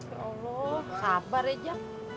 ya allah sabar aja